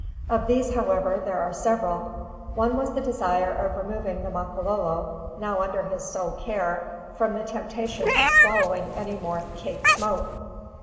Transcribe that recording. Of these, however, there were several. One was the desire of removing the Makololo, now under his sole care, from the temptation of swallowing any more "Cape Smoke."